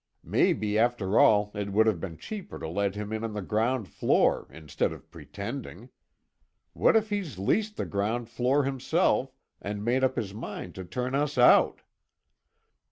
Maybe after all it would have been cheaper to let him in on the ground floor, instead of pretending. What if he's leased the ground floor himself, and made up his mind to turn us out?"